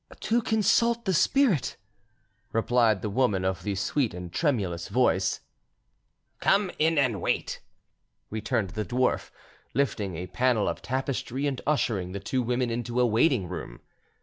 "To consult the spirit," replied the woman of the sweet and tremulous voice. "Come in and wait," returned the dwarf, lifting a panel of tapestry and ushering the two women into a waiting room.